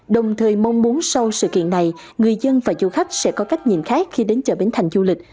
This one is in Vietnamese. đồng thời mong muốn sau sự kiện này người dân và du khách sẽ có cách nhìn khác khi đến chợ bến thành du lịch